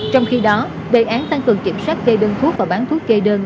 trong khi đó đề án tăng cường kiểm soát gây đơn thuốc và bán thuốc gây đơn